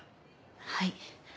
はい。